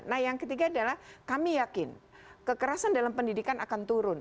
nah yang ketiga adalah kami yakin kekerasan dalam pendidikan akan turun